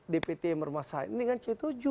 dpt yang bermasalah ini kan c tujuh